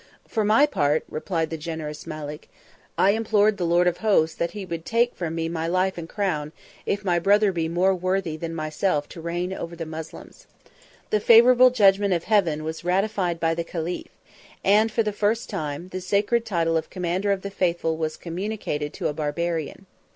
"For my part," replied the generous Malek, "I implored the Lord of Hosts that he would take from me my life and crown, if my brother be more worthy than myself to reign over the Moslems." The favorable judgment of heaven was ratified by the caliph; and for the first time, the sacred title of Commander of the Faithful was communicated to a Barbarian.